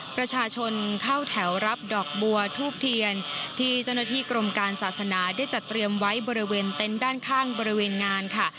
ประชาชนเข้าแถวรับดอกบัวทูบเทียนที่เจ้าหน้าที่กรมการศาสนาได้จัดเตรียมไว้บริเวณเต็นต์ด้านข้างบริเวณงานค่ะ